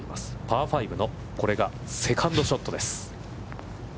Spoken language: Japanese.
パー５のこれがセカンドショットです。